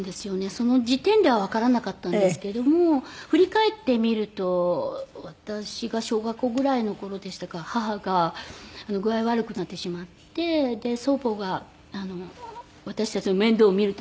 その時点ではわからなかったんですけども振り返ってみると私が小学校ぐらいの頃でしたか母が具合悪くなってしまって祖母が私たちの面倒を見るために出てきていたんですね。